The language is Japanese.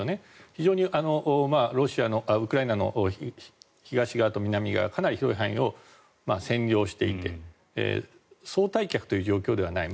非常にウクライナの東側と南側のかなり広い範囲を占領していて総退却という状況ではない。